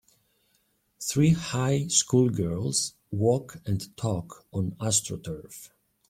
Three high schoolgirls walk and talk on AstroTurf.